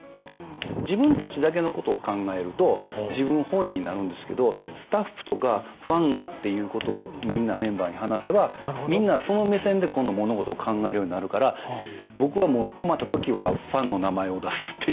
自分たちだけのことを考えると自分本位になるんですけどスタッフとかファンがっていうことをみんなメンバーに話せばみんなはその目線で今度物事を考えるようになるから僕はもう困った時はファンの名前を出すっていう。